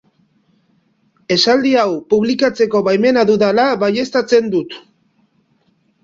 Esaldi hau publikatzeko baimena dudala baieztatzen dut.